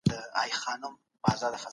هغه تمدن چي په لوېديځ کي و، وده وکړه.